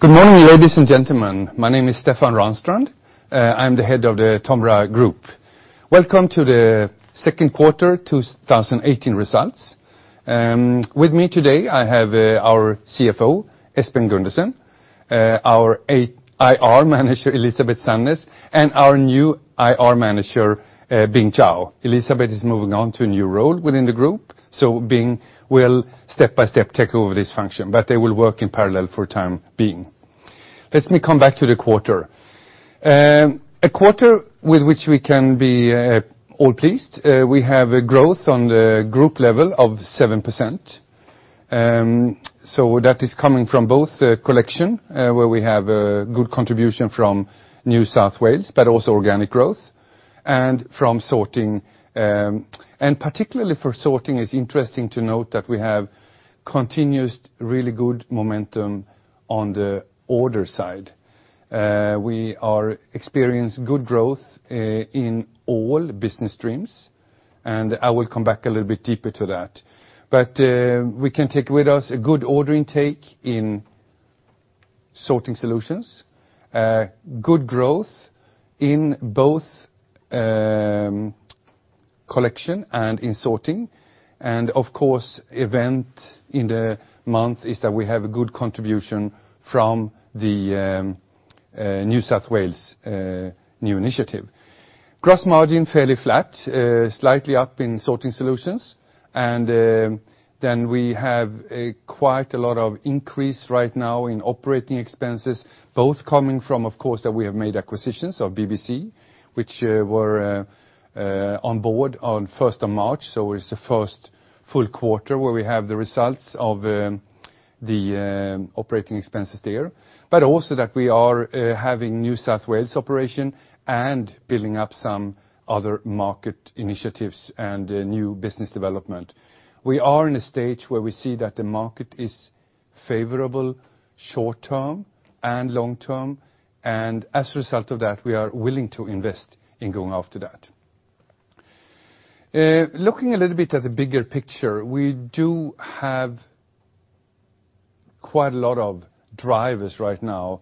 Good morning, ladies and gentlemen. My name is Stefan Ranstrand. I'm the head of the Tomra Group. Welcome to the second quarter 2018 results. With me today, I have our CFO, Espen Gundersen, our IR Manager, Elisabet Sandnes, and our new IR Manager, Bing Zhao. Elisabet is moving on to a new role within the group, Bing will step by step take over this function, but they will work in parallel for time being. Let me come back to the quarter. A quarter with which we can be all pleased. We have a growth on the group level of 7%. So that is coming from both Collection, where we have a good contribution from New South Wales, but also organic growth and from Sorting. Particularly for Sorting, it's interesting to note that we have continuous, really good momentum on the order side. We are experience good growth in all business streams, and I will come back a little bit deeper to that. But we can take with us a good order intake in Sorting Solutions, good growth in both Collection and in Sorting. Of course, event in the month is that we have a good contribution from the New South Wales new initiative. Gross margin fairly flat, slightly up in Sorting Solutions. Then we have quite a lot of increase right now in operating expenses, both coming from, of course, that we have made acquisitions of BBC, which were on board on 1st of March. It's the first full quarter where we have the results of the operating expenses there. But also that we are having New South Wales operation and building up some other market initiatives and new business development. We are in a stage where we see that the market is favorable short term and long term, and as a result of that, we are willing to invest in going after that. Looking a little bit at the bigger picture, we do have quite a lot of drivers right now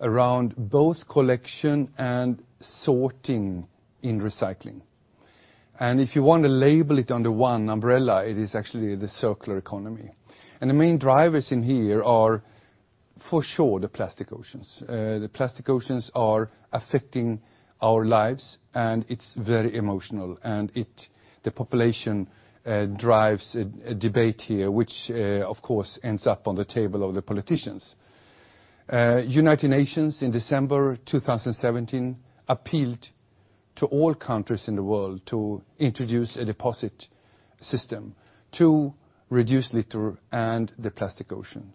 around both Collection and Sorting in recycling. If you want to label it under one umbrella, it is actually the circular economy. The main drivers in here are, for sure, the plastic oceans. The plastic oceans are affecting our lives, and it's very emotional. The population drives a debate here, which, of course, ends up on the table of the politicians. United Nations in December 2017 appealed to all countries in the world to introduce a deposit system to reduce litter and the plastic ocean.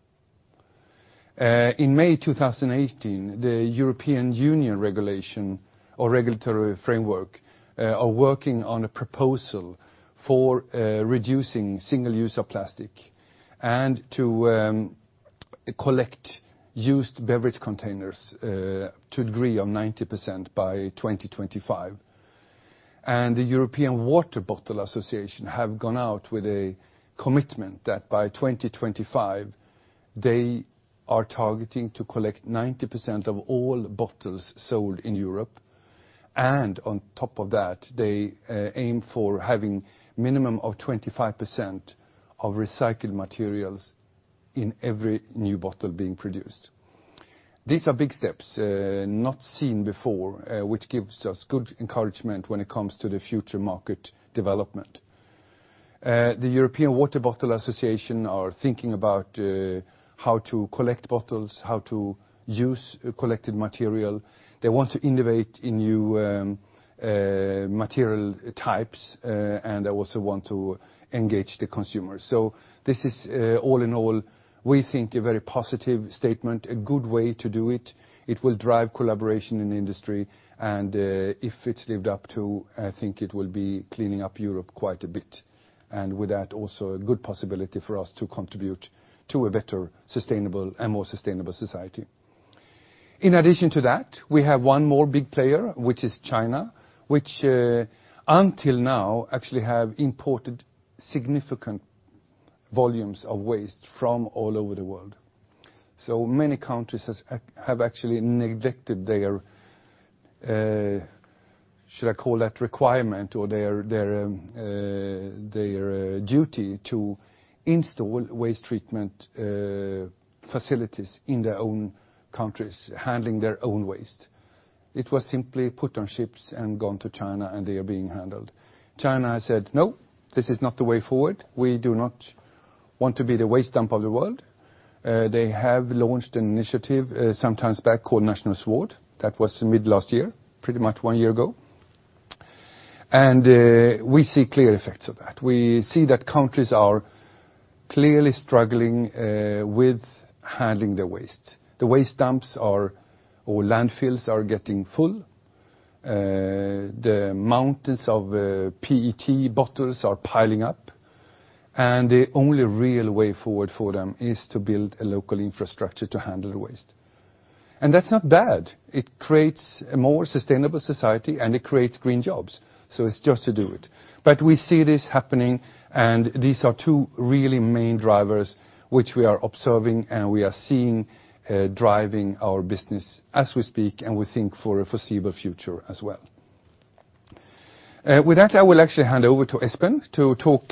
In May 2018, the European Union regulation or regulatory framework are working on a proposal for reducing single use of plastic and to collect used beverage containers to a degree of 90% by 2025. The European Federation of Bottled Waters have gone out with a commitment that by 2025 they are targeting to collect 90% of all bottles sold in Europe. On top of that, they aim for having minimum of 25% of recycled materials in every new bottle being produced. These are big steps, not seen before, which gives us good encouragement when it comes to the future market development. The European Federation of Bottled Waters are thinking about how to collect bottles, how to use collected material. They want to innovate in new material types, and they also want to engage the consumer. This is, all in all, we think, a very positive statement, a good way to do it. It will drive collaboration in the industry, and if it's lived up to, I think it will be cleaning up Europe quite a bit. With that, also a good possibility for us to contribute to a better sustainable and more sustainable society. In addition to that, we have one more big player, which is China, which until now actually have imported significant volumes of waste from all over the world. Many countries have actually neglected their, should I call that requirement or their duty to install waste treatment facilities in their own countries, handling their own waste. It was simply put on ships and gone to China and they are being handled. China has said, "No, this is not the way forward. We do not want to be the waste dump of the world." They have launched an initiative some time back called National Sword. That was mid last year, pretty much one year ago. We see clear effects of that. We see that countries are clearly struggling with handling the waste. The waste dumps or landfills are getting full. The mountains of PET bottles are piling up, and the only real way forward for them is to build a local infrastructure to handle the waste. That's not bad. It creates a more sustainable society, and it creates green jobs. It's just to do it. We see this happening, and these are two really main drivers which we are observing and we are seeing driving our business as we speak, and we think for the foreseeable future as well. With that, I will actually hand over to Espen to talk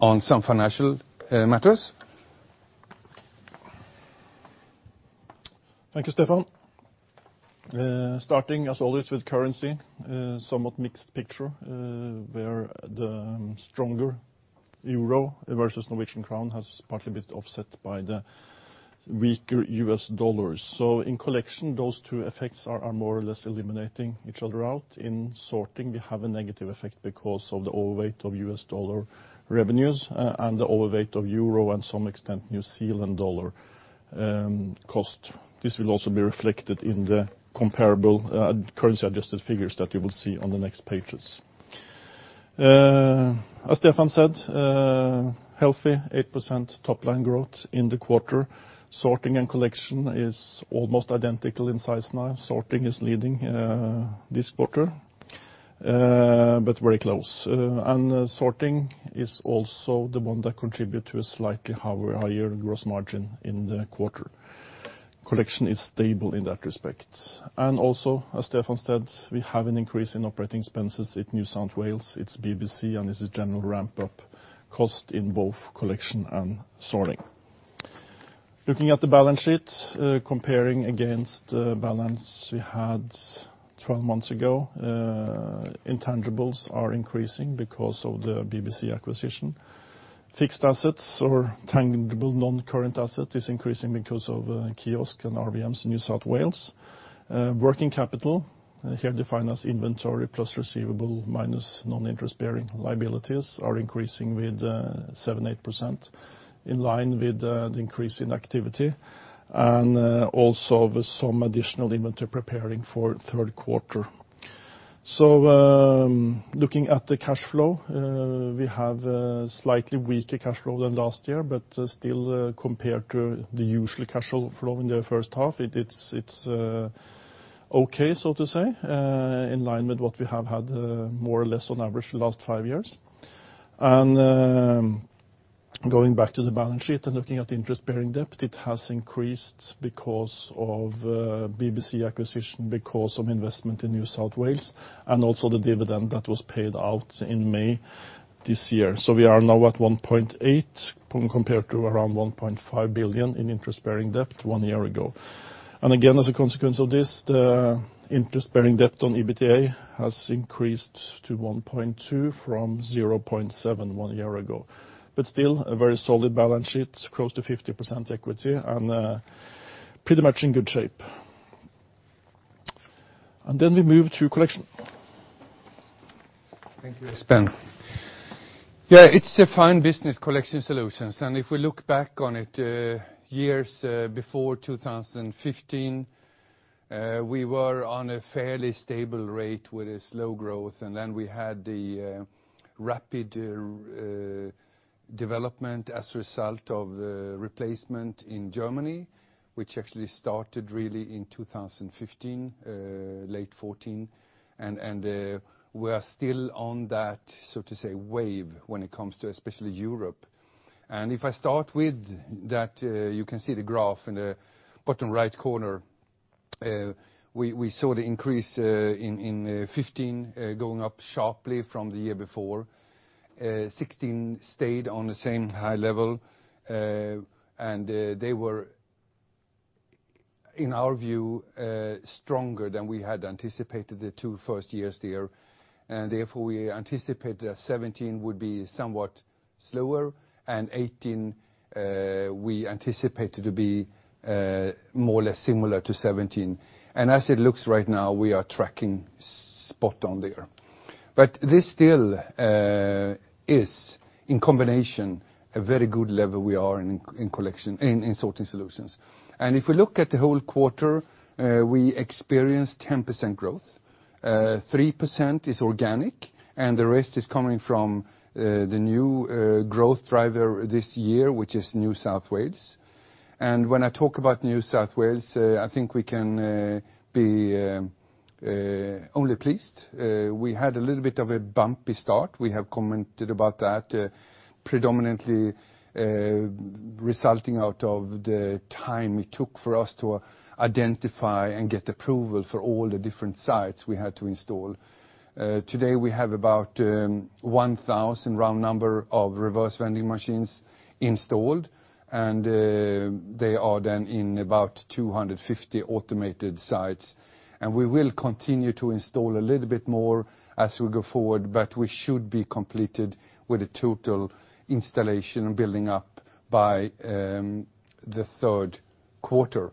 on some financial matters. Thank you, Stefan. Starting, as always, with currency. Somewhat mixed picture, where the stronger EUR versus Norwegian krone has partly been offset by the weaker USD. In Collection, those two effects are more or less eliminating each other out. In Sorting, we have a negative effect because of the overweight of USD revenues and the overweight of EUR and, to some extent, NZD cost. This will also be reflected in the comparable currency-adjusted figures that you will see on the next pages. As Stefan said, healthy 8% top-line growth in the quarter. Sorting and Collection is almost identical in size now. Sorting is leading this quarter, but very close. Sorting is also the one that contributes to a slightly higher gross margin in the quarter. Collection is stable in that respect. Also, as Stefan Ranstrand said, we have an increase in operating expenses in New South Wales. It's BBC, and this is general ramp-up cost in both Collection and Sorting. Looking at the balance sheet, comparing against the balance we had 12 months ago, intangibles are increasing because of the BBC acquisition. Fixed assets or tangible non-current assets is increasing because of kiosk and RVMs in New South Wales. Working capital, here defined as inventory plus receivable minus non-interest-bearing liabilities, are increasing with 7%, 8%, in line with the increase in activity, and also with some additional inventory preparing for the third quarter. Looking at the cash flow, we have a slightly weaker cash flow than last year, but still, compared to the usual cash flow in the first half, it's okay, so to say, in line with what we have had more or less on average the last five years. Going back to the balance sheet and looking at the interest-bearing debt, it has increased because of BBC acquisition, because of investment in New South Wales, and also the dividend that was paid out in May this year. We are now at 1.8 billion compared to around 1.5 billion in interest-bearing debt one year ago. Again, as a consequence of this, the interest-bearing debt on EBITDA has increased to 1.2 from 0.7 one year ago. Still, a very solid balance sheet, close to 50% equity and pretty much in good shape. Then we move to Collection. Thank you, Espen. Yeah, it's a fine business, Collection Solutions. If we look back on it, years before 2015, we were on a fairly stable rate with a slow growth, then we had the rapid development as a result of the replacement in Germany, which actually started really in 2015, late 2014, we are still on that, so to say, wave when it comes to especially Europe. If I start with that, you can see the graph in the bottom right corner. We saw the increase in 2015 going up sharply from the year before. 2016 stayed on the same high level, and they were, in our view, stronger than we had anticipated the two first years there. Therefore, we anticipated that 2017 would be somewhat slower, and 2018 we anticipated to be more or less similar to 2017. As it looks right now, we are tracking spot on there. This still is, in combination, a very good level we are in Sorting Solutions. If we look at the whole quarter, we experienced 10% growth. 3% is organic, and the rest is coming from the new growth driver this year, which is New South Wales. When I talk about New South Wales, I think we can be only pleased. We had a little bit of a bumpy start. We have commented about that, predominantly resulting out of the time it took for us to identify and get approval for all the different sites we had to install. Today, we have about 1,000, round number, of reverse vending machines installed, and they are then in about 250 automated sites. We will continue to install a little bit more as we go forward, but we should be completed with the total installation and building up by the third quarter.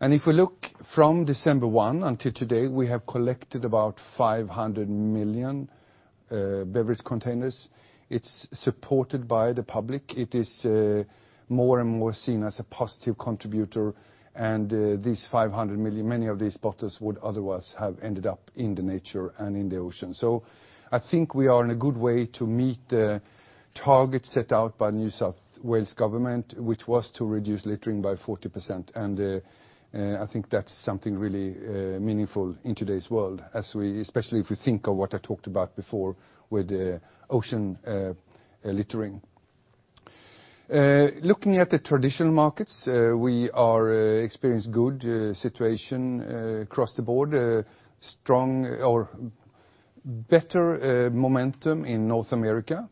If we look from December 1 until today, we have collected about 500 million beverage containers. It's supported by the public. It is more and more seen as a positive contributor, and these 500 million, many of these bottles would otherwise have ended up in the nature and in the ocean. I think we are in a good way to meet the target set out by New South Wales government, which was to reduce littering by 40%, and I think that's something really meaningful in today's world, especially if we think of what I talked about before with ocean littering. Looking at the traditional markets, we are experience good situation across the board, strong or better momentum in North America,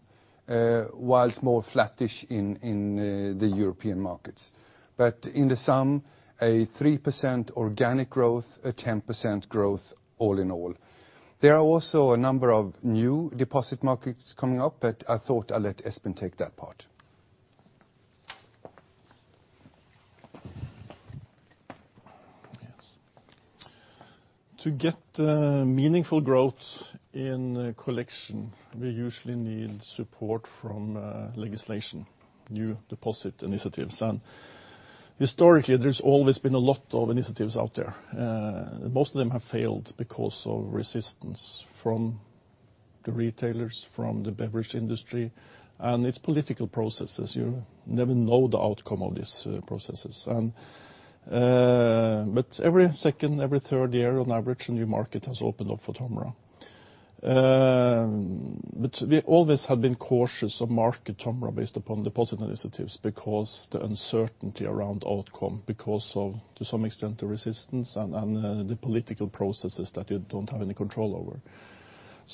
whilst more flattish in the European markets. In the sum, a 3% organic growth, a 10% growth all in all. There are also a number of new deposit markets coming up, I thought I'll let Espen take that part. Yes. To get meaningful growth in collection, we usually need support from legislation, new deposit initiatives. Historically, there's always been a lot of initiatives out there. Most of them have failed because of resistance from the retailers, from the beverage industry, and its political processes. You never know the outcome of these processes. Every second, every third year on average, a new market has opened up for Tomra. We always have been cautious of market Tomra based upon deposit initiatives because the uncertainty around outcome, because of, to some extent, the resistance and the political processes that you don't have any control over.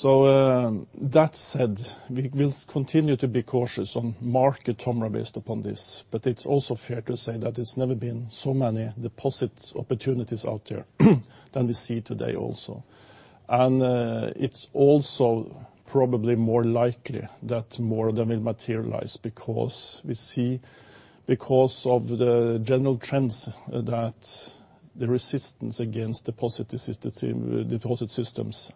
That said, we will continue to be cautious on market Tomra based upon this, but it's also fair to say that it's never been so many deposit opportunities out there than we see today also. It's also probably more likely that more of them will materialize because of the general trends that the resistance against deposit systems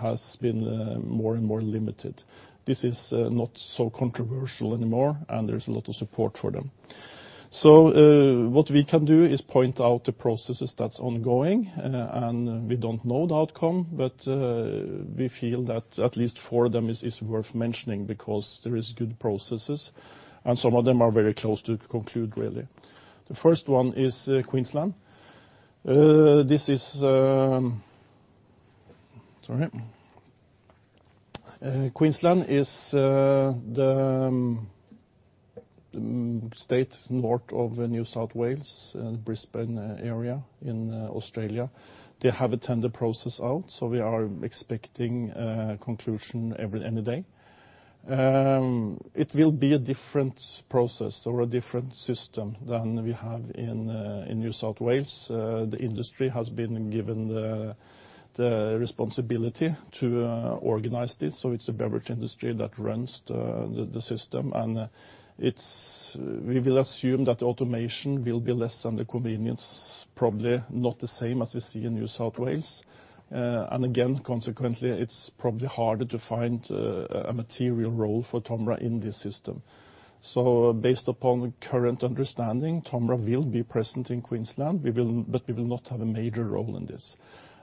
has been more and more limited. This is not so controversial anymore, and there's a lot of support for them. What we can do is point out the processes that's ongoing, and we don't know the outcome, we feel that at least four of them is worth mentioning because there is good processes, and some of them are very close to conclude really. The first one is Queensland. Sorry. Queensland is the state north of New South Wales and Brisbane area in Australia. They have a tender process out, we are expecting a conclusion any day. It will be a different process or a different system than we have in New South Wales. The industry has been given the responsibility to organize this, so it is the beverage industry that runs the system. We will assume that the automation will be less than the convenience, probably not the same as you see in New South Wales. Again, consequently, it is probably harder to find a material role for Tomra in this system. Based upon current understanding, Tomra will be present in Queensland, but we will not have a major role in this.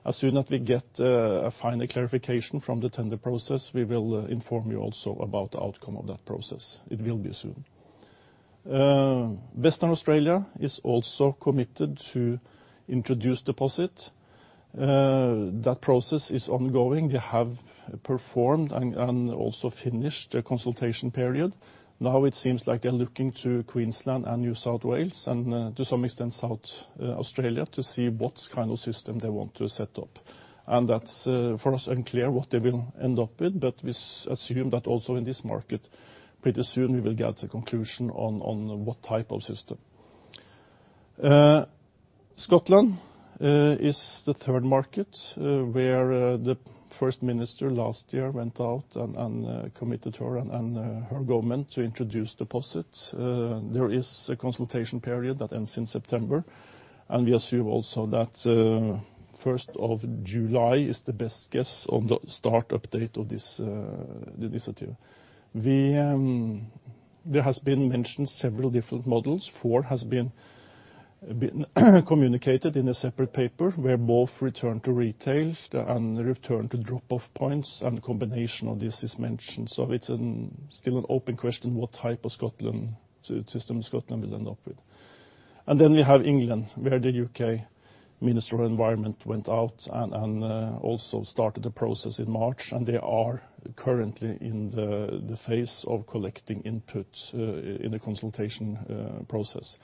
As soon as we get a final clarification from the tender process, we will inform you also about the outcome of that process. It will be soon. Western Australia is also committed to introduce deposit. That process is ongoing. They have performed and also finished a consultation period. Now it seems like they are looking to Queensland and New South Wales and, to some extent, South Australia to see what kind of system they want to set up. That is, for us, unclear what they will end up with, but we assume that also in this market, pretty soon we will get a conclusion on what type of system. Scotland is the third market where the First Minister last year went out and committed her and her government to introduce deposits. There is a consultation period that ends in September. We assume also that 1st of July is the best guess on the start-up date of this initiative. There has been mentioned several different models. Four has been communicated in a separate paper where both return to retail and return to drop-off points and a combination of this is mentioned. It is still an open question what type of system Scotland will end up with. We have England, where the UK Minister of Environment went out and also started a process in March. They are currently in the phase of collecting input in the consultation process.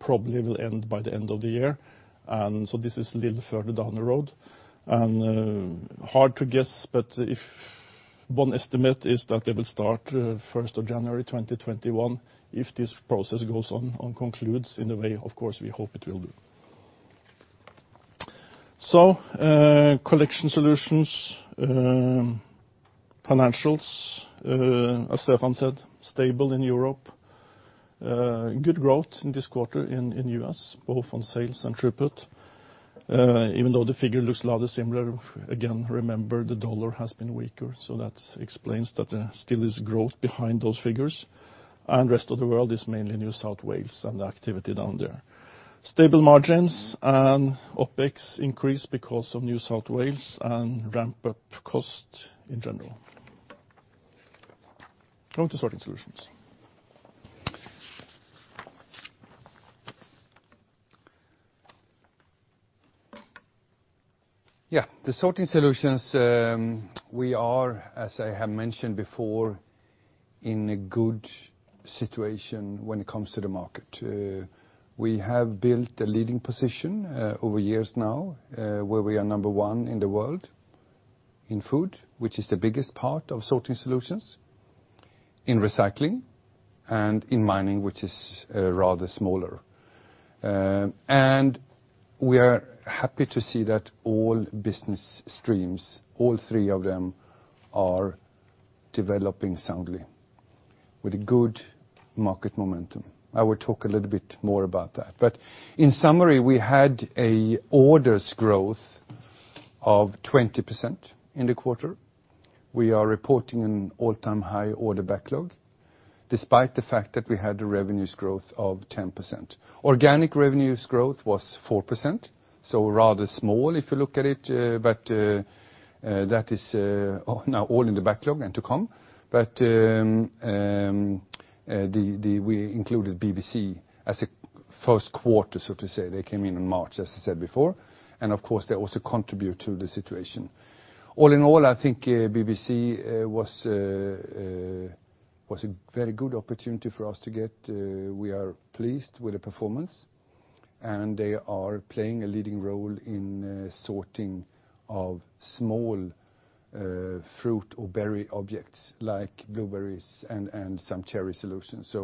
Probably will end by the end of the year. This is a little further down the road. Hard to guess, but one estimate is that they will start 1st of January 2021, if this process goes on and concludes in a way, of course, we hope it will do. Collection solutions, financials, as Stefan said, stable in Europe. Good growth in this quarter in U.S., both on sales and throughput, even though the figure looks a lot similar. Again, remember the dollar has been weaker, so that explains that there still is growth behind those figures. Rest of the world is mainly New South Wales and the activity down there. Stable margins and OpEx increased because of New South Wales and ramp-up cost in general. Going to Sorting Solutions. The Sorting Solutions, we are, as I have mentioned before, in a good situation when it comes to the market. We have built a leading position over years now, where we are number 1 in the world in food, which is the biggest part of Sorting Solutions, in recycling, and in mining, which is rather smaller. We are happy to see that all business streams, all 3 of them, are developing soundly with good market momentum. I will talk a little bit more about that. In summary, we had a orders growth of 20% in the quarter. We are reporting an all-time high order backlog, despite the fact that we had a revenues growth of 10%. Organic revenues growth was 4%, rather small if you look at it, but that is now all in the backlog and to come. We included BBC as a first quarter, so to say. They came in in March, as I said before. Of course, they also contribute to the situation. All in all, I think BBC was a very good opportunity for us to get. We are pleased with the performance, and they are playing a leading role in sorting of small fruit or berry objects, like blueberries and some cherry solutions.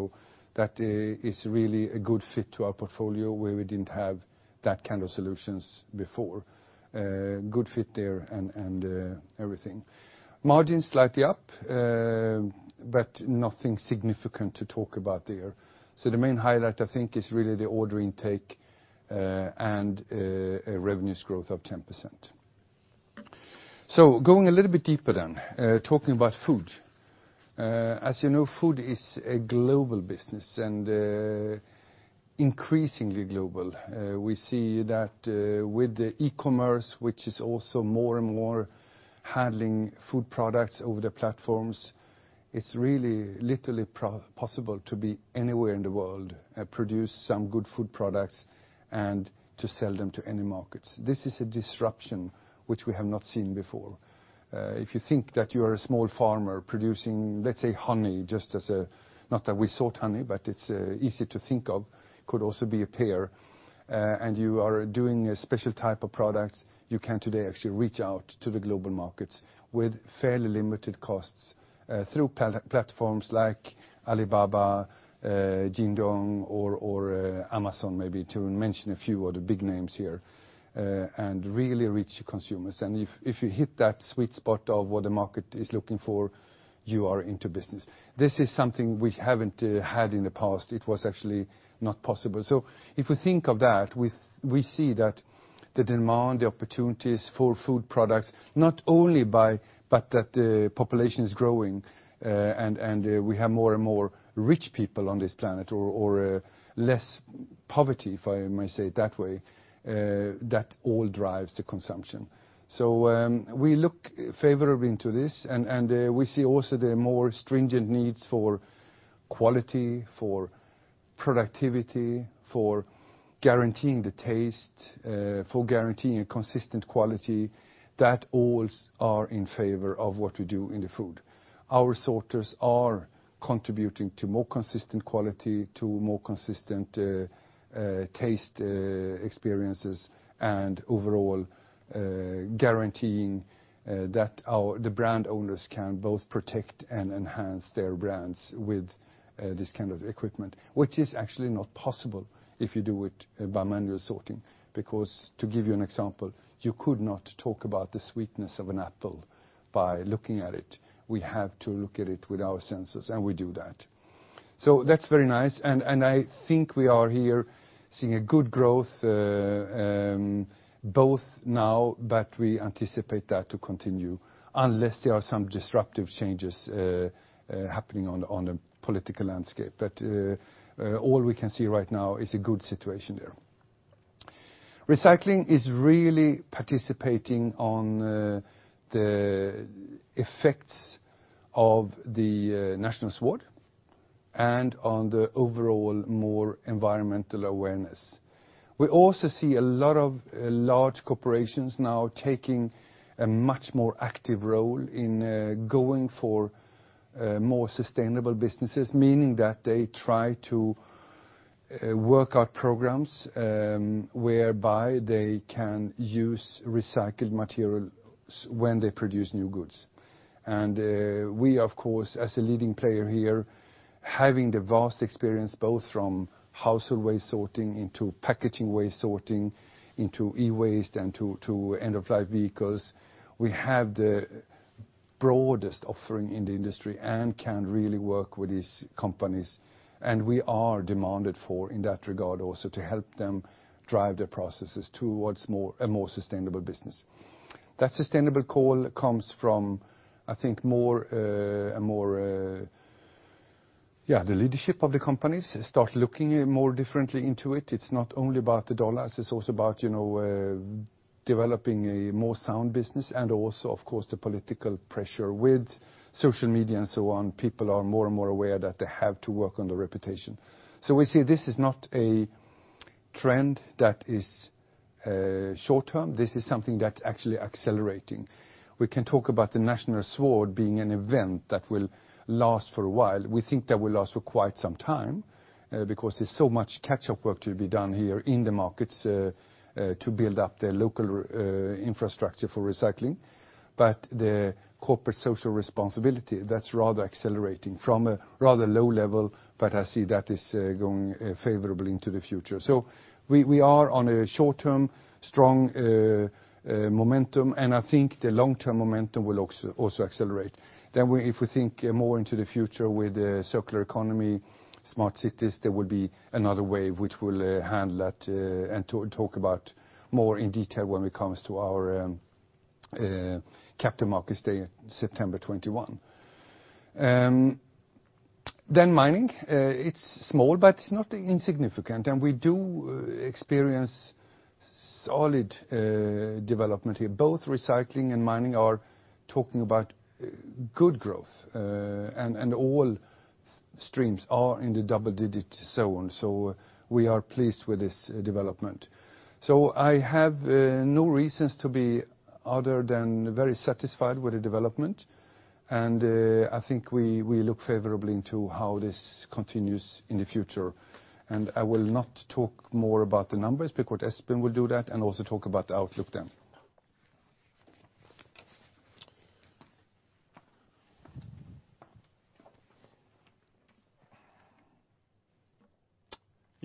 That is really a good fit to our portfolio, where we didn't have that kind of solutions before. Good fit there and everything. Margins slightly up, but nothing significant to talk about there. The main highlight, I think, is really the order intake and a revenues growth of 10%. Going a little bit deeper then, talking about food. As you know, food is a global business and increasingly global. We see that with the e-commerce, which is also more and more handling food products over their platforms, it's really literally possible to be anywhere in the world and produce some good food products and to sell them to any markets. This is a disruption which we have not seen before. If you think that you are a small farmer producing, let's say, honey, not that we sort honey, but it's easy to think of, could also be a pear, and you are doing a special type of products, you can today actually reach out to the global markets with fairly limited costs through platforms like Alibaba, Jingdong, or Amazon maybe, to mention a few of the big names here, and really reach consumers. If you hit that sweet spot of what the market is looking for, you are into business. This is something we haven't had in the past. It was actually not possible. If we think of that, we see that the demand, the opportunities for food products, not only by that the population is growing and we have more and more rich people on this planet or less poverty, if I may say it that way, that all drives the consumption. We look favorably into this, and we see also the more stringent needs for quality, for productivity, for guaranteeing the taste, for guaranteeing a consistent quality. That all are in favor of what we do in the food. Our sorters are contributing to more consistent quality, to more consistent taste experiences, and overall guaranteeing that the brand owners can both protect and enhance their brands with this kind of equipment, which is actually not possible if you do it by manual sorting. To give you an example, you could not talk about the sweetness of an apple by looking at it. We have to look at it with our sensors, and we do that. That's very nice, and I think we are here seeing a good growth both now, but we anticipate that to continue unless there are some disruptive changes happening on the political landscape. All we can see right now is a good situation there. Recycling is really participating on the effects of the National Sword and on the overall more environmental awareness. We also see a lot of large corporations now taking a much more active role in going for more sustainable businesses, meaning that they try to work out programs whereby they can use recycled materials when they produce new goods. We, of course, as a leading player here, having the vast experience both from household waste sorting into packaging waste sorting into e-waste and to end-of-life vehicles, we have the broadest offering in the industry and can really work with these companies. We are demanded for, in that regard also, to help them drive their processes towards a more sustainable business. That sustainable call comes from, I think, more the leadership of the companies start looking more differently into it. It's not only about the dollars, it's also about developing a more sound business and also, of course, the political pressure with social media and so on. People are more and more aware that they have to work on their reputation. We see this is not a trend that is short-term. This is something that actually accelerating. We can talk about the National Sword being an event that will last for a while. We think that will last for quite some time, because there's so much catch-up work to be done here in the markets to build up the local infrastructure for recycling. The corporate social responsibility, that's rather accelerating from a rather low level, but I see that is going favorably into the future. We are on a short-term strong momentum, and I think the long-term momentum will also accelerate. If we think more into the future with the circular economy, smart cities, there will be another wave which we'll handle that and talk about more in detail when it comes to our Capital Markets Day September 21. Mining. It's small, but it's not insignificant, and we do experience solid development here. Both recycling and mining are talking about good growth, and all streams are in the double-digit, so on. We are pleased with this development. I have no reasons to be other than very satisfied with the development, I think we look favorably into how this continues in the future. I will not talk more about the numbers because Espen will do that, and also talk about the outlook then.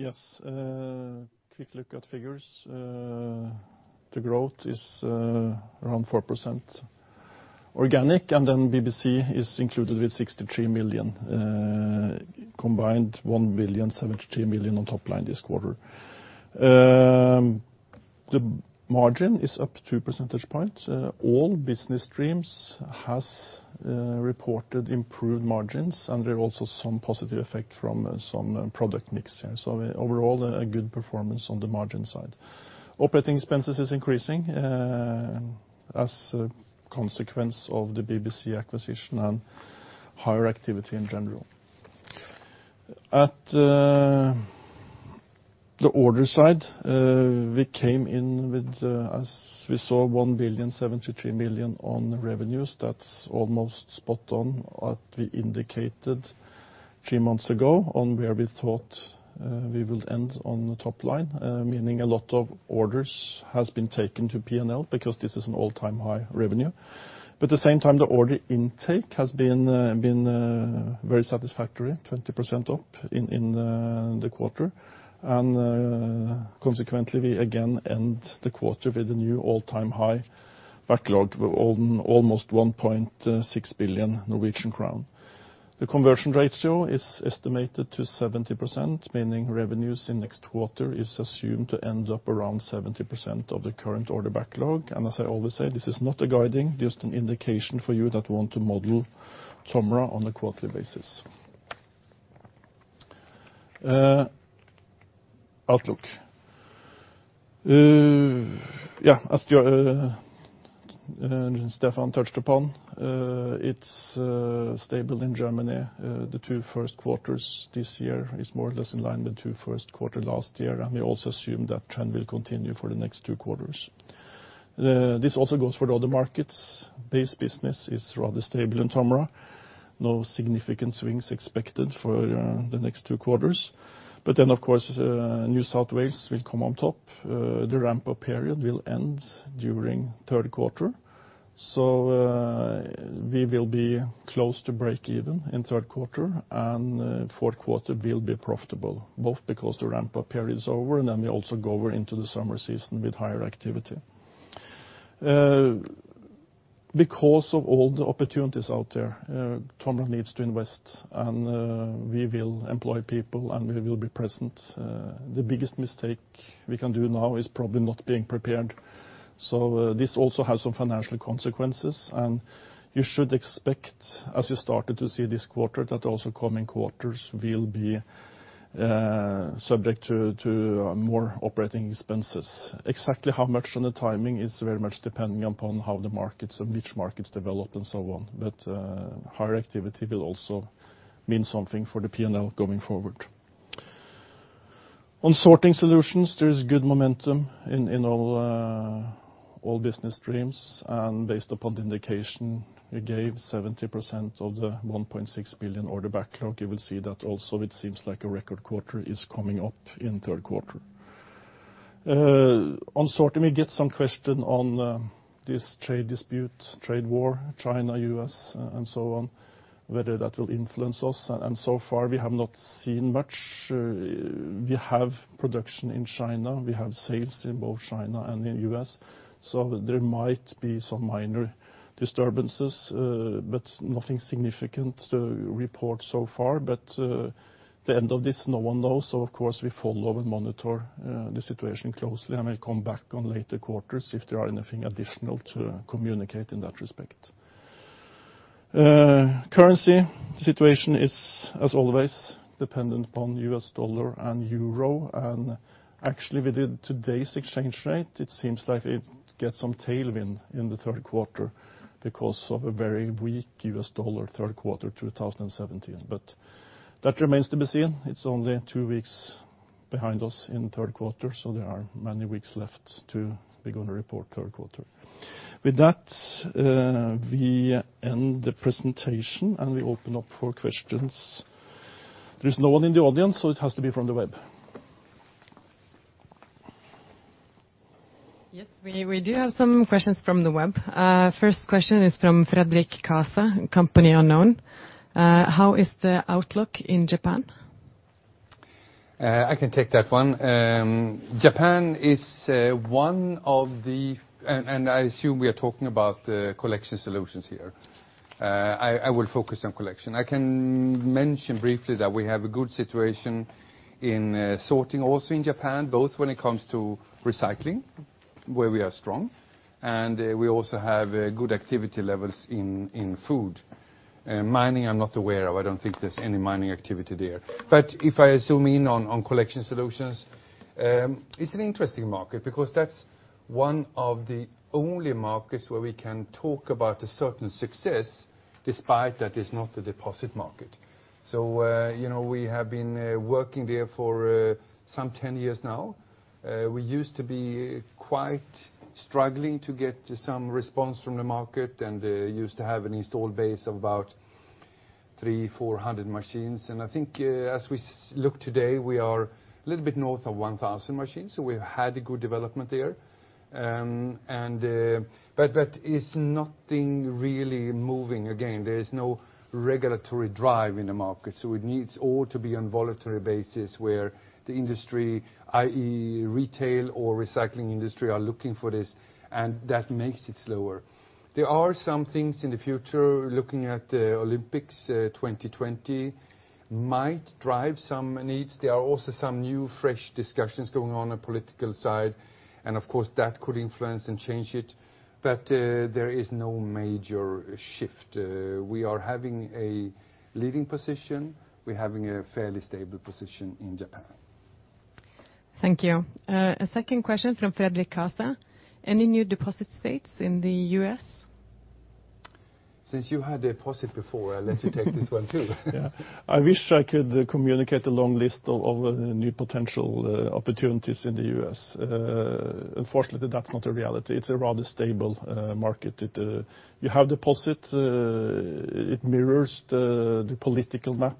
Yes. A quick look at figures. The growth is around 4% organic, BBC is included with 63 million. Combined, 1 billion, 73 million on top line this quarter. The margin is up 2 percentage points. All business streams has reported improved margins, there are also some positive effect from some product mix here. Overall, a good performance on the margin side. Operating expenses is increasing as a consequence of the BBC acquisition and higher activity in general. At the order side, we came in with, as we saw, 1 billion, 73 million on revenues. That's almost spot on what we indicated 3 months ago on where we thought we will end on the top line, meaning a lot of orders has been taken to P&L because this is an all-time high revenue. At the same time, the order intake has been very satisfactory, 20% up in the quarter. Consequently, we again end the quarter with a new all-time high backlog on almost 1.6 billion Norwegian crown. The conversion ratio is estimated to 70%, meaning revenues in next quarter is assumed to end up around 70% of the current order backlog. As I always say, this is not a guiding, just an indication for you that want to model Tomra on a quarterly basis. Outlook. As Stefan touched upon, it's stable in Germany. The 2 first quarters this year is more or less in line with the 2 first quarter last year, we also assume that trend will continue for the next 2 quarters. This also goes for the other markets. Base business is rather stable in Tomra. No significant swings expected for the next 2 quarters. Of course, New South Wales will come on top. The ramp-up period will end during third quarter. We will be close to break even in third quarter, fourth quarter will be profitable, both because the ramp-up period is over and then we also go over into the summer season with higher activity. Because of all the opportunities out there, Tomra needs to invest, we will employ people, we will be present. The biggest mistake we can do now is probably not being prepared. This also has some financial consequences, you should expect, as you started to see this quarter, that also coming quarters will be subject to more operating expenses. Exactly how much on the timing is very much depending upon how the markets, and which markets develop and so on. Higher activity will also mean something for the P&L going forward. On sorting solutions, there is good momentum in all business streams, and based upon the indication we gave, 70% of the 1.6 billion order backlog, you will see that also it seems like a record quarter is coming up in third quarter. On sorting, we get some question on this trade dispute, trade war, China, U.S., and so on, whether that will influence us. So far, we have not seen much. We have production in China. We have sales in both China and the U.S. There might be some minor disturbances, but nothing significant to report so far. The end of this, no one knows. Of course, we follow and monitor the situation closely. I may come back on later quarters if there are anything additional to communicate in that respect. Currency situation is, as always, dependent upon U.S. dollar and euro. Actually, within today's exchange rate, it seems like it gets some tailwind in the third quarter because of a very weak U.S. dollar third quarter 2017. That remains to be seen. It is only two weeks behind us in the third quarter. There are many weeks left to be going to report third quarter. With that, we end the presentation and we open up for questions. There is no one in the audience, so it has to be from the web. Yes, we do have some questions from the web. First question is from [Fredrik Casa], company unknown. How is the outlook in Japan? I can take that one. Japan is and I assume we are talking about the collection solutions here. I will focus on collection. I can mention briefly that we have a good situation in sorting also in Japan, both when it comes to recycling, where we are strong, and we also have good activity levels in food. Mining, I am not aware of. I do not think there is any mining activity there. If I zoom in on collection solutions, it is an interesting market because that is one of the only markets where we can talk about a certain success, despite that it is not a deposit market. We have been working there for some 10 years now. We used to be quite struggling to get some response from the market, and used to have an install base of about 300, 400 machines. I think as we look today, we are a little bit north of 1,000 machines. We've had a good development there. It's nothing really moving. Again, there is no regulatory drive in the market. It needs all to be on voluntary basis where the industry, i.e. retail or recycling industry, are looking for this, and that makes it slower. There are some things in the future, looking at Tokyo 2020, might drive some needs. There are also some new, fresh discussions going on on political side, and of course, that could influence and change it. There is no major shift. We are having a leading position. We're having a fairly stable position in Japan. Thank you. A second question from Frederick Casa. Any new deposit states in the U.S.? Since you had deposit before, I'll let you take this one, too. Yeah. I wish I could communicate a long list of new potential opportunities in the U.S. Unfortunately, that's not a reality. It's a rather stable market. You have deposit. It mirrors the political map.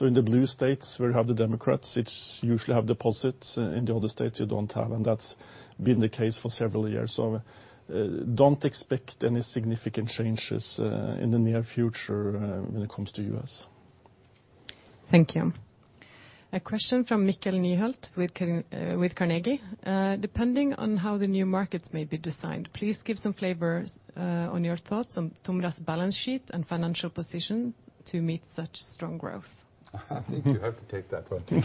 In the blue states, where you have the Democrats, it's usually have deposits. In the other states, you don't have, and that's been the case for several years. Don't expect any significant changes in the near future when it comes to U.S. Thank you. A question from Mikkel Nyholt with Carnegie. Depending on how the new markets may be designed, please give some flavors on your thoughts on Tomra's balance sheet and financial position to meet such strong growth. I think you have to take that one, too.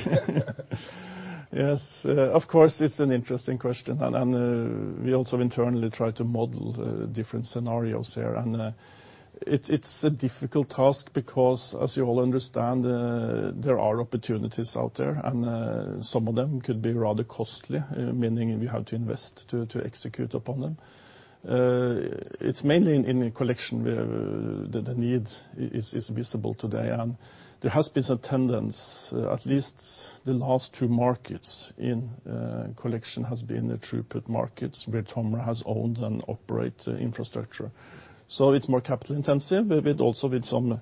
Yes. Of course, it's an interesting question, we also internally try to model different scenarios here. It's a difficult task because, as you all understand, there are opportunities out there, some of them could be rather costly, meaning we have to invest to execute upon them. It's mainly in Collection where the need is visible today. There has been some tendency, at least the last two markets in Collection has been throughput markets where Tomra has owned and operate infrastructure. It's more capital intensive, but with also with some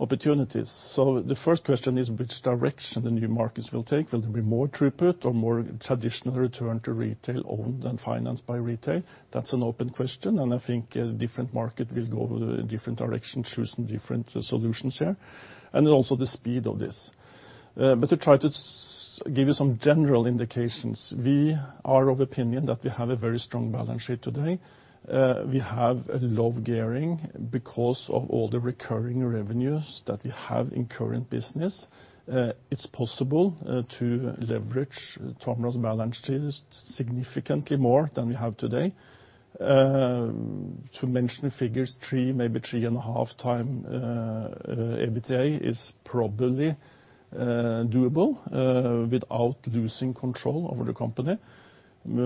opportunities. The first question is which direction the new markets will take. Will it be more throughput or more traditional return to retail owned and financed by retail? That's an open question, I think different market will go different direction, choosing different solutions here. Also the speed of this. To try to give you some general indications, we are of opinion that we have a very strong balance sheet today. We have a low gearing because of all the recurring revenues that we have in current business. It's possible to leverage Tomra's balance sheet significantly more than we have today. To mention figures, 3, maybe 3.5 times EBITDA is probably doable without losing control over the company. We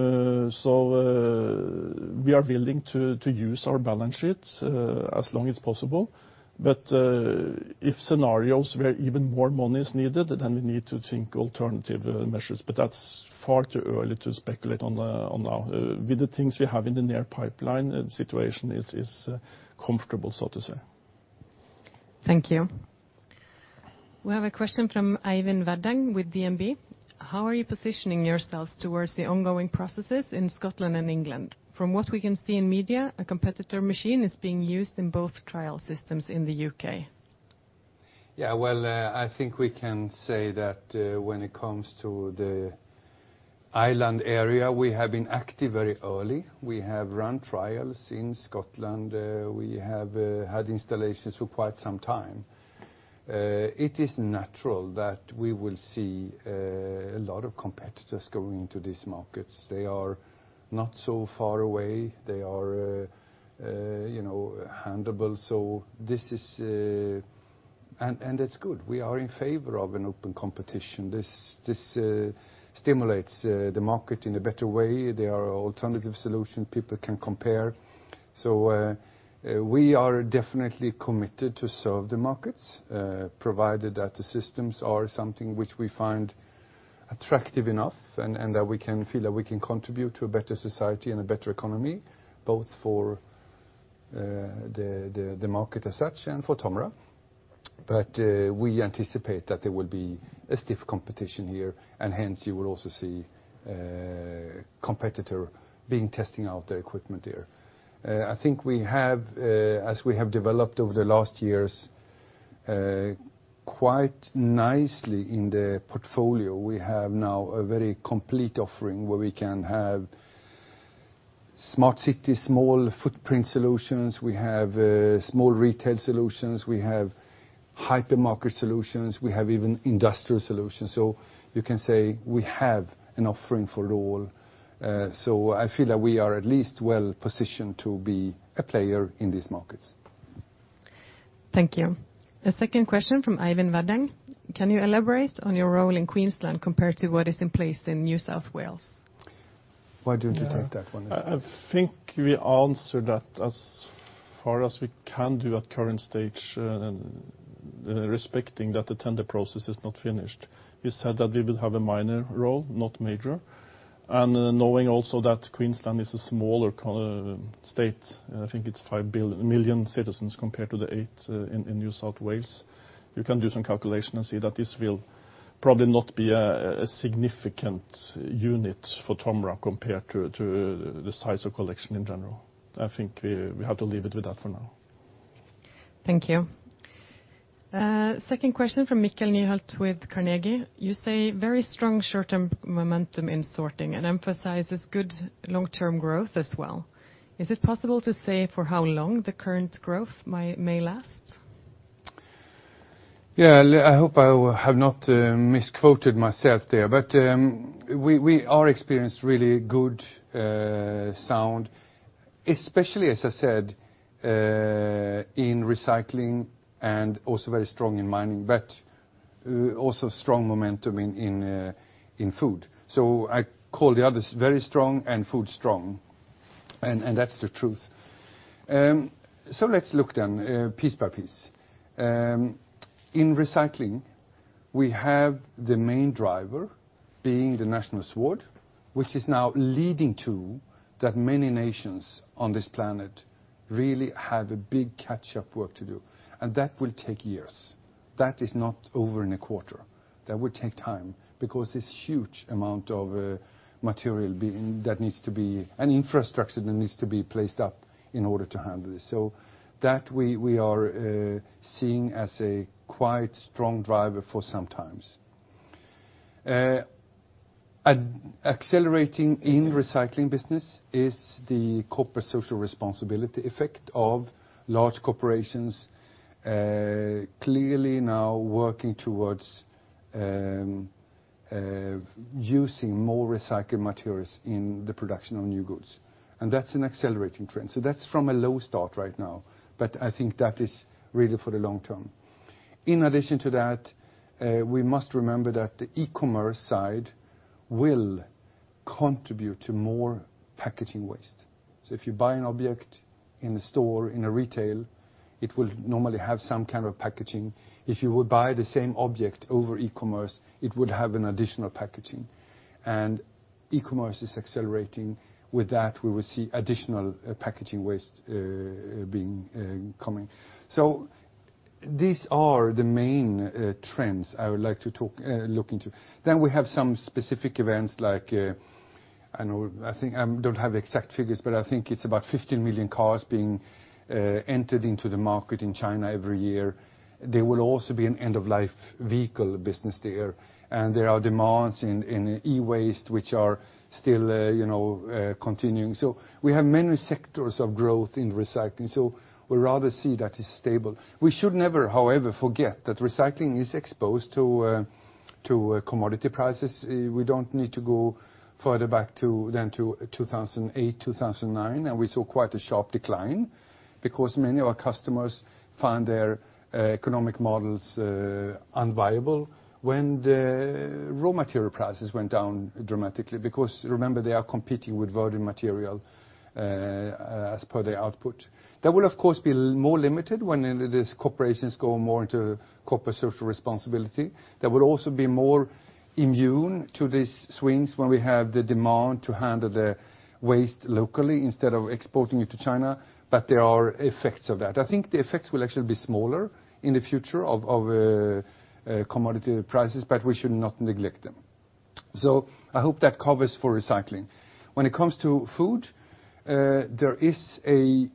are willing to use our balance sheet as long as possible. If scenarios where even more money is needed, we need to think alternative measures. That's far too early to speculate on now. With the things we have in the near pipeline, the situation is comfortable, so to say. Thank you. We have a question from Eivind Vadang with DNB. How are you positioning yourselves towards the ongoing processes in Scotland and England? From what we can see in media, a competitor machine is being used in both trial systems in the U.K. Yeah. I think we can say that when it comes to the island area, we have been active very early. We have run trials in Scotland. We have had installations for quite some time. It is natural that we will see a lot of competitors going into these markets. They are not so far away, they are handleable. That's good. We are in favor of an open competition. This stimulates the market in a better way. There are alternative solutions people can compare. We are definitely committed to serve the markets, provided that the systems are something which we find attractive enough and that we can feel that we can contribute to a better society and a better economy, both for the market as such and for Tomra. We anticipate that there will be a stiff competition here and hence you will also see a competitor testing out their equipment there. I think as we have developed over the last years, quite nicely in the portfolio, we have now a very complete offering where we can have smart city, small footprint solutions. We have small retail solutions, we have hypermarket solutions. We have even industrial solutions. You can say we have an offering for all. I feel that we are at least well-positioned to be a player in these markets. Thank you. A second question from Eivind Vadang. Can you elaborate on your role in Queensland compared to what is in place in New South Wales? Why don't you take that one? I think we answered that as far as we can do at current stage, respecting that the tender process is not finished. We said that we will have a minor role, not major. Knowing also that Queensland is a smaller state, I think it's 5 million citizens compared to the 8 in New South Wales. You can do some calculation and see that this will probably not be a significant unit for Tomra compared to the size of collection in general. I think we have to leave it with that for now. Thank you. Second question from Mikkel Nyholt with Carnegie. You say very strong short-term momentum in sorting and emphasizes good long-term growth as well. Is it possible to say for how long the current growth may last? I hope I have not misquoted myself there, but we are experienced really good, sound, especially as I said in recycling and also very strong in mining, but also strong momentum in food. I call the others very strong and food strong, and that's the truth. Let's look then piece by piece. In recycling, we have the main driver being the National Sword, which is now leading to that many nations on this planet really have a big catch-up work to do, and that will take years. That is not over in a quarter. That will take time because it's a huge amount of material that needs to be an infrastructure that needs to be placed up in order to handle this. That we are seeing as a quite strong driver for some time. Accelerating in recycling business is the corporate social responsibility effect of large corporations, clearly now working towards using more recycled materials in the production of new goods, that's an accelerating trend. That's from a low start right now, but I think that is really for the long term. In addition to that, we must remember that the e-commerce side will contribute to more packaging waste. If you buy an object in a store, in a retail, it will normally have some kind of packaging. If you would buy the same object over e-commerce, it would have an additional packaging, e-commerce is accelerating. With that, we will see additional packaging waste coming. These are the main trends I would like to look into. We have some specific events like, I don't have exact figures, but I think it's about 15 million cars being entered into the market in China every year. There will also be an end-of-life vehicle business there are demands in e-waste, which are still continuing. We have many sectors of growth in recycling, we rather see that is stable. We should never, however, forget that recycling is exposed to commodity prices. We don't need to go further back than to 2008, 2009, we saw quite a sharp decline because many of our customers found their economic models unviable when the raw material prices went down dramatically because remember, they are competing with virgin material as per their output. That will, of course, be more limited when these corporations go more into corporate social responsibility. That will also be more immune to these swings when we have the demand to handle the waste locally instead of exporting it to China. There are effects of that. I think the effects will actually be smaller in the future of commodity prices, we should not neglect them. I hope that covers for recycling. When it comes to food, there is an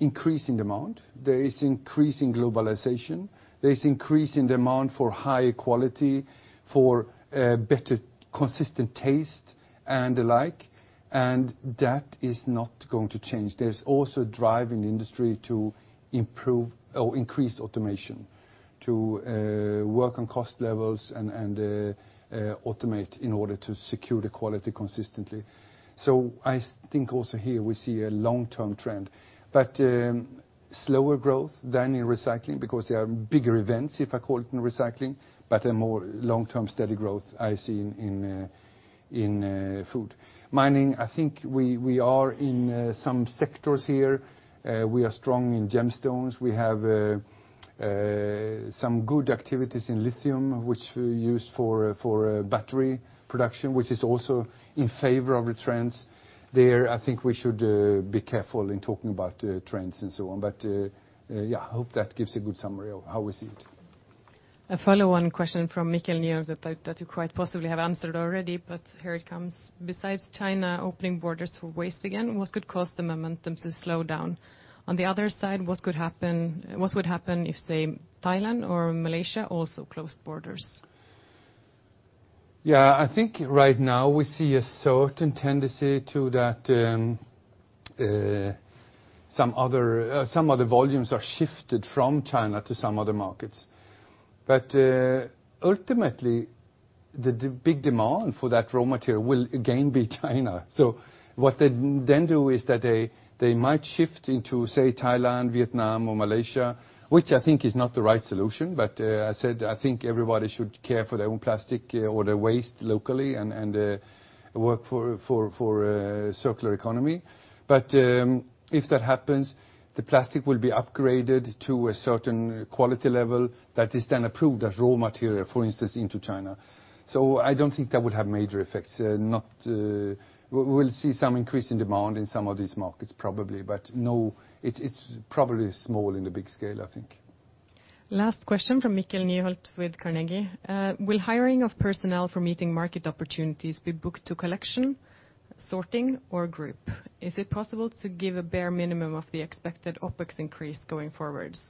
increasing demand. There is increasing globalization. There is increasing demand for higher quality, for better consistent taste and the like, that is not going to change. There's also a drive in the industry to increase automation, to work on cost levels and automate in order to secure the quality consistently. I think also here we see a long-term trend, slower growth than in recycling because there are bigger events, if I call it, in recycling, a more long-term steady growth I see in food. Mining, I think we are in some sectors here. We are strong in gemstones. We have some good activities in lithium, which we use for battery production, which is also in favor of the trends there. I think we should be careful in talking about trends and so on. Yeah, I hope that gives a good summary of how we see it. A follow-on question from Mikkel Nyholt that you quite possibly have answered already, but here it comes. Besides China opening borders for waste again, what could cause the momentum to slow down? On the other side, what would happen if, say, Thailand or Malaysia also closed borders? Yeah, I think right now we see a certain tendency to that. Some of the volumes are shifted from China to some other markets. Ultimately, the big demand for that raw material will again be China. What they then do is that they might shift into, say, Thailand, Vietnam, or Malaysia, which I think is not the right solution. As I said, I think everybody should care for their own plastic or their waste locally and work for a circular economy. If that happens, the plastic will be upgraded to a certain quality level that is then approved as raw material, for instance, into China. I don't think that will have major effects. We'll see some increase in demand in some of these markets probably, but no, it's probably small in the big scale, I think. Last question from Mikkel Nyholt with Carnegie. Will hiring of personnel for meeting market opportunities be booked to Collection, Sorting, or group? Is it possible to give a bare minimum of the expected OpEx increase going forwards?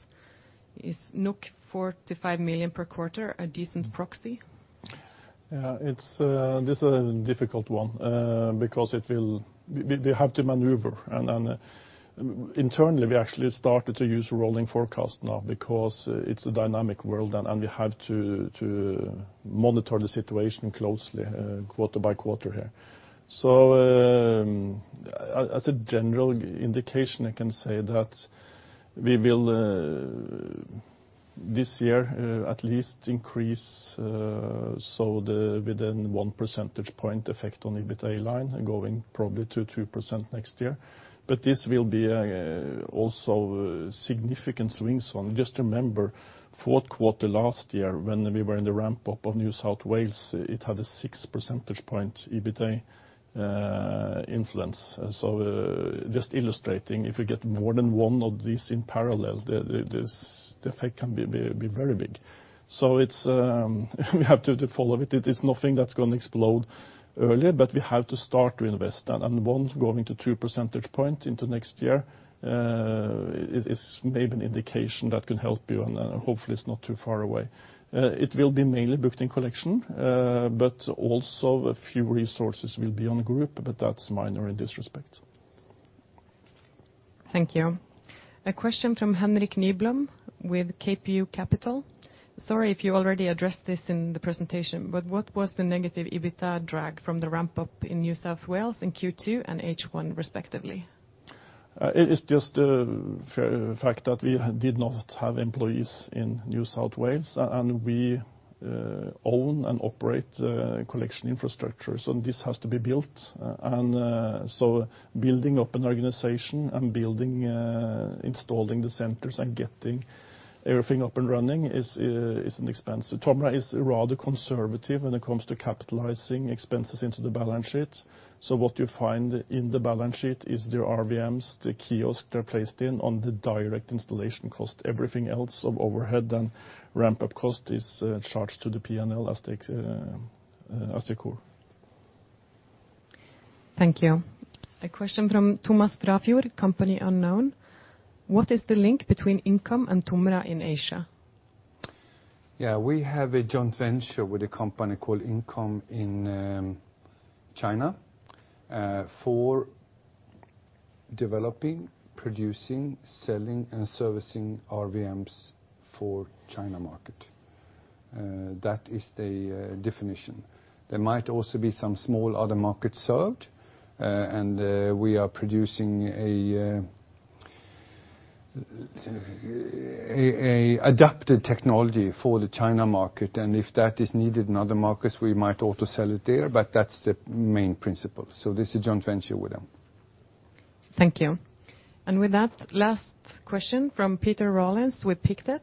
Is 4 million-5 million per quarter a decent proxy? Yeah, this is a difficult one because we have to maneuver, and internally, we actually started to use rolling forecast now because it's a dynamic world, and we have to monitor the situation closely quarter by quarter here. As a general indication, I can say that we will, this year, at least increase within one percentage point effect on the EBITA line, going probably to 2% next year. This will be also a significant swing. Just remember, fourth quarter last year, when we were in the ramp-up of New South Wales, it had a six percentage point EBITA influence. Just illustrating, if we get more than one of these in parallel, the effect can be very big. We have to follow it. It is nothing that's going to explode earlier, but we have to start to invest, and one going to two percentage point into next year is maybe an indication that can help you, and hopefully it's not too far away. It will be mainly booked in collection, but also a few resources will be on group, but that's minor in this respect. Thank you. A question from Henrik Nyblom with CapeView Capital. Sorry if you already addressed this in the presentation, but what was the negative EBITA drag from the ramp-up in New South Wales in Q2 and H1, respectively? It is just the fact that we did not have employees in New South Wales, and we own and operate collection infrastructure, so this has to be built. Building up an organization and installing the centers and getting everything up and running is an expense. Tomra is rather conservative when it comes to capitalizing expenses into the balance sheet. What you find in the balance sheet is the RVMs, the kiosk they're placed in on the direct installation cost. Everything else of overhead and ramp-up cost is charged to the P&L as they occur. Thank you. A question from [Tomas Trefuer], company unknown. What is the link between Incom and Tomra in Asia? We have a joint venture with a company called Incom in China for developing, producing, selling, and servicing RVMs for China market. That is the definition. There might also be some small other markets served. We are producing an adapted technology for the China market. If that is needed in other markets, we might also sell it there. That's the main principle. This is a joint venture with them. Thank you. With that, last question from Peter Rawlence with Pictet.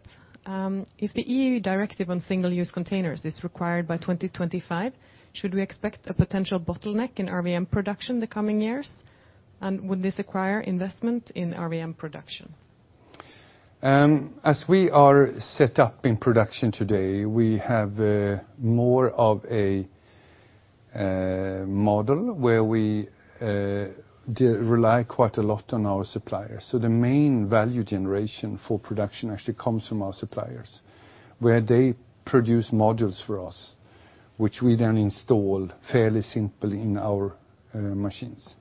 If the EU directive on single-use containers is required by 2025, should we expect a potential bottleneck in RVM production the coming years? Would this acquire investment in RVM production? As we are set up in production today, we have more of a model where we rely quite a lot on our suppliers. The main value generation for production actually comes from our suppliers, where they produce modules for us, which we then install fairly simply in our machines.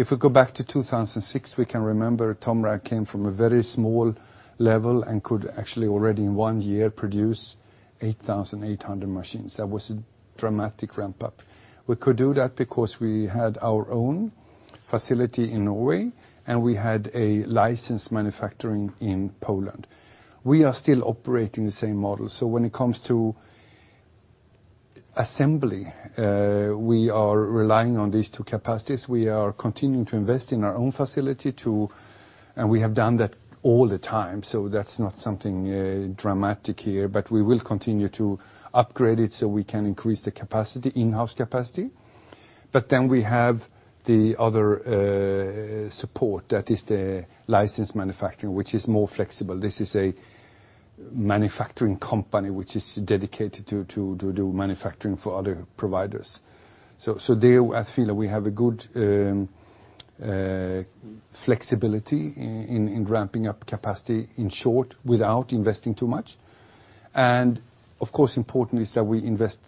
If we go back to 2006, we can remember Tomra came from a very small level and could actually already in one year produce 8,800 machines. That was a dramatic ramp-up. We could do that because we had our own facility in Norway and we had a licensed manufacturing in Poland. We are still operating the same model. When it comes to assembly, we are relying on these two capacities. We are continuing to invest in our own facility and we have done that all the time, so that's not something dramatic here, but we will continue to upgrade it so we can increase the in-house capacity. We have the other support that is the licensed manufacturing, which is more flexible. This is a manufacturing company which is dedicated to do manufacturing for other providers. There I feel that we have a good flexibility in ramping up capacity in short without investing too much. Of course, important is that we invest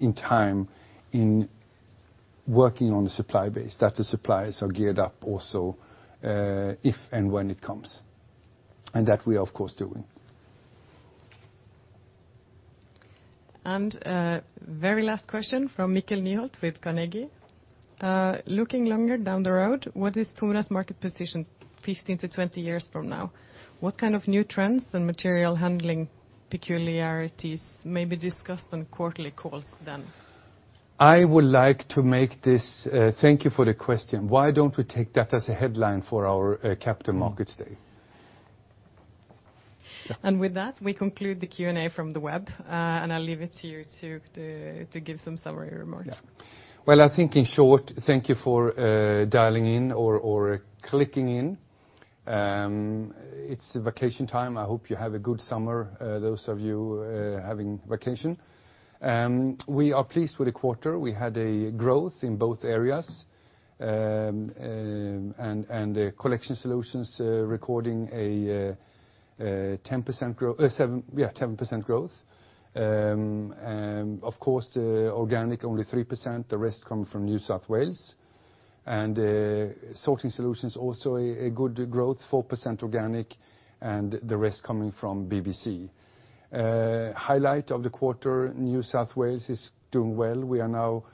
in time in working on the supply base, that the suppliers are geared up also, if and when it comes. That we are of course doing. Very last question from Mikkel Nyholt with Carnegie. Looking longer down the road, what is Tomra's market position 15 to 20 years from now? What kind of new trends and material handling peculiarities may be discussed on quarterly calls then? Thank you for the question. Why don't we take that as a headline for our Capital Markets Day? With that, we conclude the Q&A from the web, and I'll leave it to you to give some summary remarks. Well, I think in short, thank you for dialing in or clicking in. It's vacation time. I hope you have a good summer, those of you having vacation. We are pleased with the quarter. We had a growth in both areas, Collection Solutions recording a 10% growth. Of course, the organic only 3%, the rest come from New South Wales. Sorting Solutions also a good growth, 4% organic, and the rest coming from BBC. Highlight of the quarter, New South Wales is doing well. We are now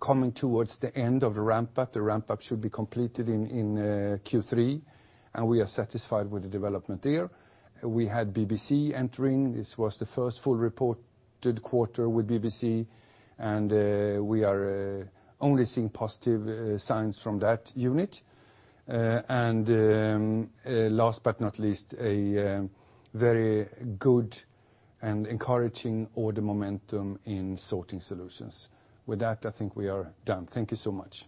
coming towards the end of the ramp-up. The ramp-up should be completed in Q3, and we are satisfied with the development there. We had BBC entering, this was the first full reported quarter with BBC, and we are only seeing positive signs from that unit. Last but not least, a very good and encouraging order momentum in Sorting Solutions. With that, I think we are done. Thank you so much.